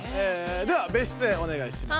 では別室へおねがいします。